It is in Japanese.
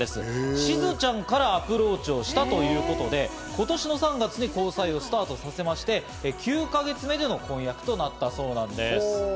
しずちゃんからアプローチをしたということで今年の３月に交際をスタートさせまして、９か月目での婚約となったそうなんです。